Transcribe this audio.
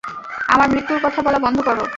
আমার মৃত্যুর কথা বলা বন্ধ করো।